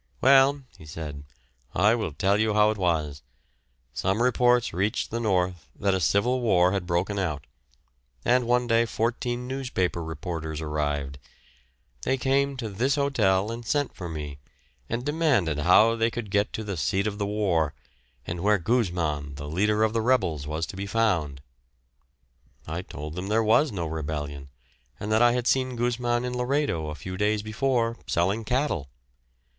"Well," he said, "I will tell you how it was. Some reports reached the north that a civil war had broken out, and one day fourteen newspaper reporters arrived. They came to this hotel and sent for me, and demanded how they could get to the seat of the war, and where Gusman, the leader of the rebels, was to be found. I told them there was no rebellion, and that I had seen Gusman in Laredo a few days before, selling cattle.